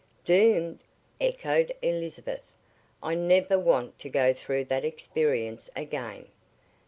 "Doomed?" echoed Elizabeth. "I never want to go through that experience again."